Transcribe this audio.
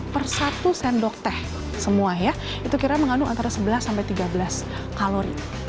per satu sendok teh semua ya itu kira mengandung antara sebelas sampai tiga belas kalori